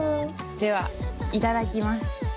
ではいただきます。